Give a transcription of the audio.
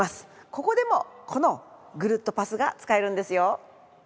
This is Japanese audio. ここでもこのぐるっとパスが使えるんですよ。